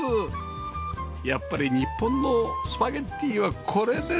やっぱり日本のスパゲティはこれですよね